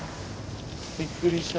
びっくりした。